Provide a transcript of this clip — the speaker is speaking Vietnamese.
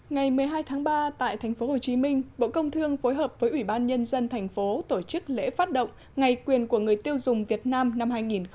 ngày một mươi hai tháng ba tại tp hcm bộ công thương phối hợp với ủy ban nhân dân thành phố tổ chức lễ phát động ngày quyền của người tiêu dùng việt nam năm hai nghìn hai mươi